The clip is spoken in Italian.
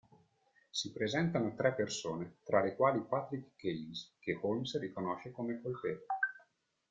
Si presentano tre persone, tra le quali Patrick Cairns, che Holmes riconosce come colpevole.